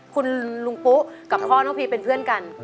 คุณลุงปุ๊กับพ่อน้องพีเป็นเพื่อนกัน